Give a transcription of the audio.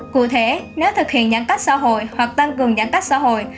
cụ thể nếu thực hiện giãn cách xã hội hoặc tăng cường giãn cách xã hội